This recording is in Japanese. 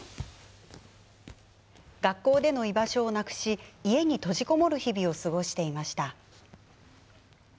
学校での居場所をなくし家に閉じこもる日々を過ごしていました。